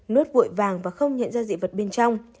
nốt vội vàng và không nhận ra dị vật bên trong